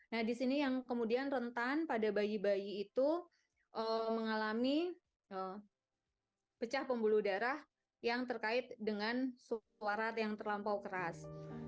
nah di sini yang kemudian rentan pada bayi bayi itu mengalami pecah pembuluh darah yang terkait dengan suara yang terlampau keras